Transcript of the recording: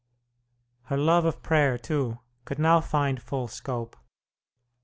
Her love of prayer, too, could now find full scope.